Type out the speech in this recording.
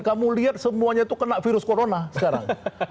kamu lihat semuanya itu kena virus corona sekarang